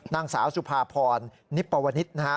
นางสาวสุภาพรณิปวนิศนะฮะ